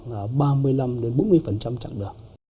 khoảng ba mươi năm bốn mươi chẳng được